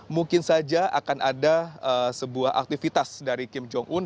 mungkin saja akan ada sebuah aktivitas dari kim jong un